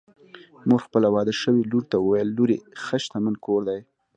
مور خپلې واده شوې لور ته وویل: لورې! ښه شتمن کور دی